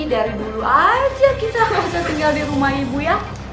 tidur aja kita masa tinggal di rumah ibu ya